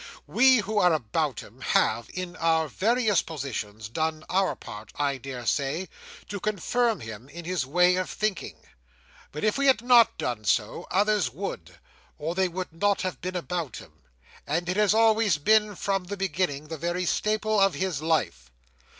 We who are about him, have, in our various positions, done our part, I daresay, to confirm him in his way of thinking; but if we had not done so, others would—or they would not have been about him; and it has always been, from the beginning, the very staple of his life.